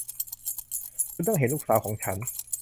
คุณต้องเห็นลูกสาวของฉัน